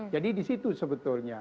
jadi disitu sebetulnya